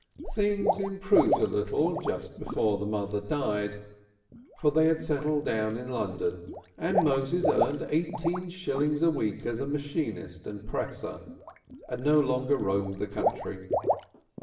Things improved a little just before the mother died, for they had settled down in London and Moses earned eighteen shillings a week as a machinist and presser, and no longer roamed the country.